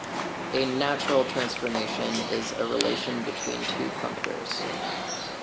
A "natural transformation" is a relation between two functors.